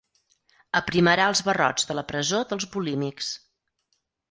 Aprimarà els barrots de la presó dels bulímics.